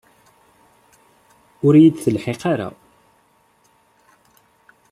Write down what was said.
Ur yi-d-teḥliq ara.